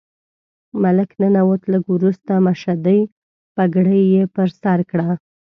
ملک ننوت، لږ وروسته مشدۍ پګړۍ یې پر سر کړه.